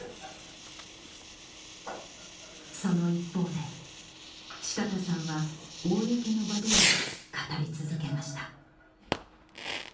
その一方で鹿田さんは公の場では語り続けました